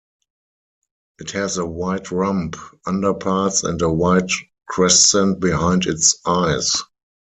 It has a white rump, underparts, and a white crescent behind its eyes.